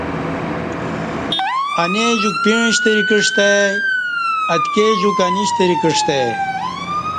انی جوک پیݩع شتری کعستہ ای اتکی جوک انی شتری کعستہ ای